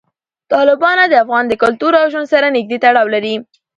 تالابونه د افغان کلتور او ژوند سره نږدې تړاو لري.